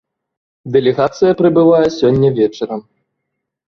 Дэлегацыя прыбывае сёння вечарам.